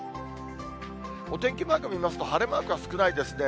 お天気マーク見ますと、晴れマークは少ないですね。